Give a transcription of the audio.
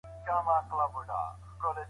د کورنیو درملو کیفیت څنګه دی؟